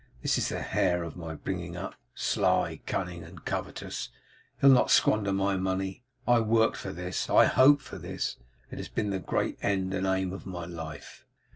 This is the heir of my bringing up. Sly, cunning, and covetous, he'll not squander my money. I worked for this; I hoped for this; it has been the great end and aim of my life.